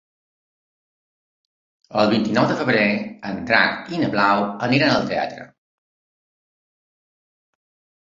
El vint-i-nou de febrer en Drac i na Blau aniran al teatre.